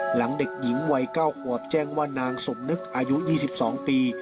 หลังเด็กหญิงวัย๙ขวบแจ้งว่านางสมนึกอายุ๒๒ปี